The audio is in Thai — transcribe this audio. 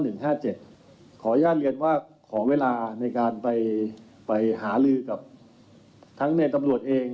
ขออนุญาตเรียนว่าขอเวลาในการไปหาลือกับทั้งในตำรวจเอง